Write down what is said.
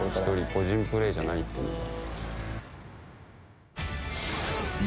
個人プレーじゃないっていうのが。